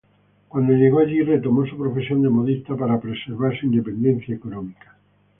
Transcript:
Cuando llegó allí retomó su profesión de modista, para preservar su independencia económica.